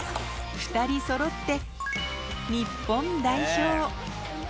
２人そろって日本代表。